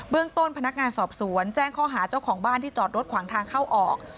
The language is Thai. ต้นพนักงานสอบสวนแจ้งข้อหาเจ้าของบ้านที่จอดรถขวางทางเข้าออก